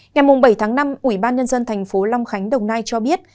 ngày bảy tháng năm ủy ban nhân dân tp long khánh đồng nai cho biết